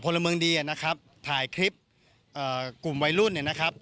พลเมืองดีนะครับถ่ายคลิปเอ่อกลุ่มวัยรุ่นเนี่ยนะครับ